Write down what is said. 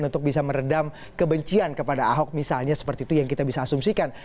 untuk bisa meredam kebencian kepada ahok misalnya seperti itu yang kita bisa asumsikan